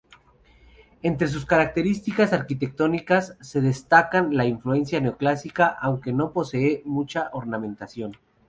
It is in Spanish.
Entre sus características arquitectónicas se destacan la influencia neoclásica, aunque no posee mucha ornamentación.